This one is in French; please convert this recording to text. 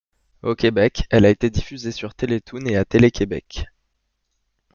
Au Québec, elle a été diffusée sur Télétoon et à Télé-Québec.